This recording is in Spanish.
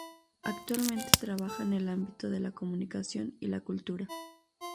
Actualmente trabaja en el ámbito de la comunicación y la cultura.